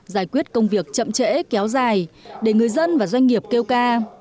giải quyết công việc chậm trễ kéo dài để người dân và doanh nghiệp kêu ca